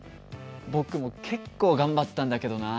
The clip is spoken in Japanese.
僕も結構頑張ったんだけどな。